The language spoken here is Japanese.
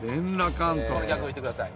逆いってください。